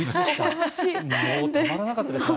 もうたまらなかったですね